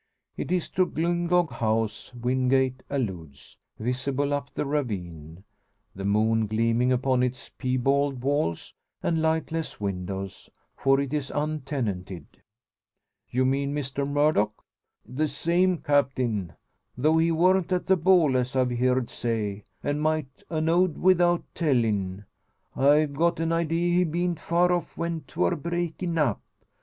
It is to Glyngog House Wingate alludes, visible up the ravine, the moon gleaming upon its piebald walls and lightless windows for it is untenanted. "You mean Mr Murdock?" "The same, Captain. Though he worn't at the ball, as I've heerd say and might a' know'd without tellin' I've got an idea he beant far off when 'twor breakin' up.